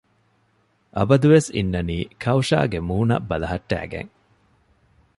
އަބަދުވެސް އިންނަނީ ކައުޝާގެ މޫނަށް ބަލަހައްޓައިގެން